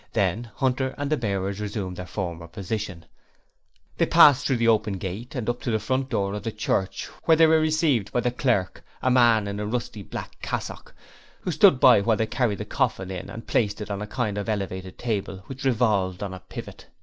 Then Hunter and the bearers resumed their former position, and they passed through the open gate and up to the door of the church, where they were received by the clerk a man in a rusty black cassock, who stood by while they carried the coffin in and placed it on a kind of elevated table which revolved on a pivot.